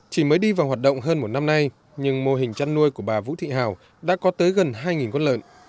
chỉ mới đi vào hoạt động hơn một năm nay nhưng mô hình chăn nuôi của bà vũ thị hào đã có tới gần hai con lợn